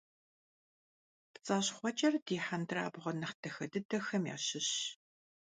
ПцӀащхъуэкӀэр ди хьэндырабгъуэ нэхъ дахэ дыдэхэм ящыщщ.